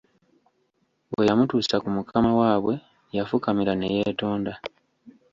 Bwe yamutuusa ku mukama waabwe yafukamira ne yeetonda.